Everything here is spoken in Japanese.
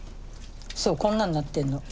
そうこんなんなってんの。